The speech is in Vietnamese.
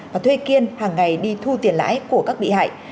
và thuê kiên hàng ngày đi thu tiền lãi của các bị hại